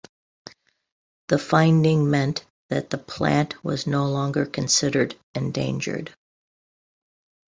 The finding meant that the plant was no longer considered endangered.